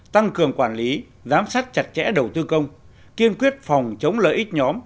tăng cường quản lý giám sát chặt chẽ đầu tư công kiên quyết phòng chống lợi ích nhóm